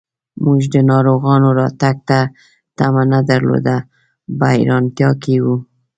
موږ د ناروغانو راتګ ته تمه نه درلوده، په حیرانتیا کې و.